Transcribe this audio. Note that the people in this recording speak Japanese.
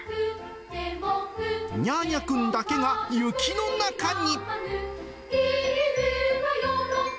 ニャーニャくんだけが雪の中に。